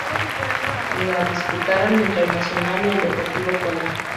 La disputaron entre El Nacional y Deportivo Cuenca.